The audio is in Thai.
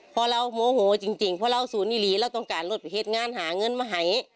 พ่อเราโมโหจริงพ่อเราสูญหลีเราต้องการลดเทศงานหาเงินมาให้